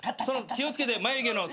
気を付けて眉毛の隙間。